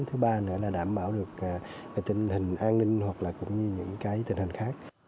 thứ ba là đảm bảo được tình hình an ninh